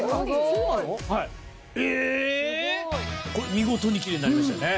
見事にキレイになりましたよね。